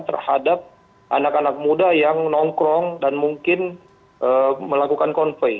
terhadap anak anak muda yang nongkrong dan mungkin melakukan konvoy